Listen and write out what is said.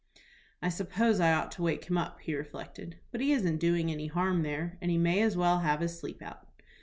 "I suppose I ought to wake him up," he reflected, "but he isn't doing any harm there, and he may as well have his sleep out."